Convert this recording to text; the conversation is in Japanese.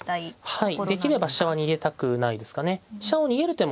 はい。